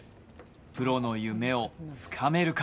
プロの夢をつかめるか。